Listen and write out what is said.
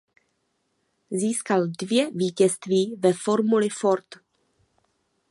Získal dvě vítězství ve Formuli Ford.